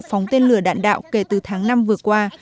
phóng tên lửa đạn đạo kể từ tháng năm vừa qua